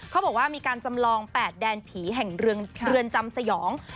เขาบอกว่ามีการจำลองแปดแดนผีแห่งเรือนเรือนจำสยองครับ